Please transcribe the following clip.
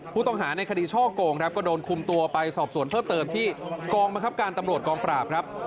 ผู้ต้องหาในคดีช่อโกงครับก็โดนคุมตัวไปสอบสวนเพิ่มเติมที่กองบังคับการตำรวจกองปราบครับ